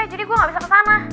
jadi gue gak bisa kesana